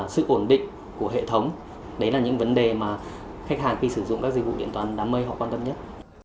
sự ổn định của hệ thống đấy là những vấn đề mà khách hàng khi sử dụng các dịch vụ điện toán đám mây họ quan tâm nhất